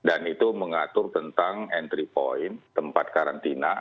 dan itu mengatur tentang entry point tempat karantina